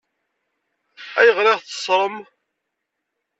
Ayɣer i ɣ-teṣṣṛem?